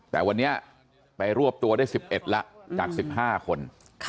แต่วันนี้ไปรวบตัวได้๑๑แล้วจาก๑๕คน